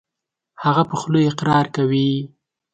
هغه په خوله اقرار کوي .